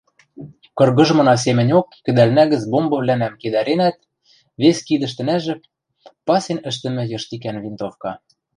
Кыргыжмына семӹньок кӹдӓлнӓ гӹц бомбывлӓнӓм кедӓренӓт вес кидӹштӹнӓжӹ – пасен ӹштӹмӹ йыштикӓн винтовка.